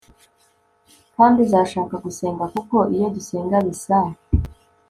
kandi uzashaka gusenga kuko, iyo dusenga, bisa